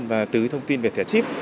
và từ thông tin về thẻ chip